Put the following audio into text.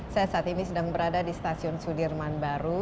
saya saat ini sedang berada di stasiun sudirman baru